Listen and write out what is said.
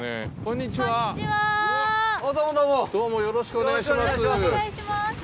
よろしくお願いします。